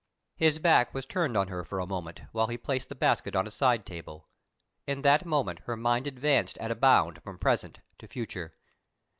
His back was turned on her for a moment, while he placed the basket on a side table. In that moment her mind advanced at a bound from present to future.